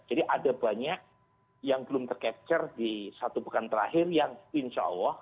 jadi ada banyak yang belum ter capture di satu bukan terakhir yang insya allah